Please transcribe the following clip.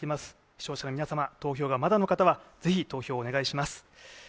視聴者の皆様、投票がまだの方はぜひ投票をお願いします。